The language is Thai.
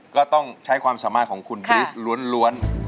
ก็ต้องใช้ความสามารถของคุณบริสล้วน